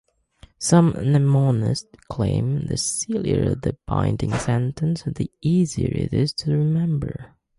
Some mnemonists claim the sillier the binding sentence, the easier it is to remember.